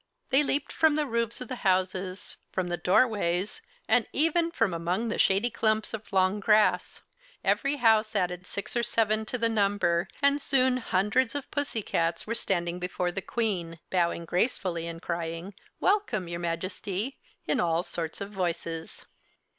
They leaped from the roofs of the houses, from the doorways, and even from among the shady clumps of long grass. Every house added six or seven to the number, and soon hundreds of pussycats were standing before the Queen, bowing gracefully and crying, "Welcome, your Majesty!" in all sorts of voices.